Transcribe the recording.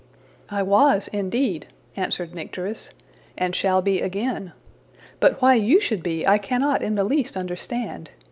'' ``I was, indeed,'' answered Nycteris, ``and shall be again. But why you should be, I cannot in the least understand.